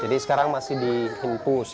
jadi sekarang masih dihimpus ya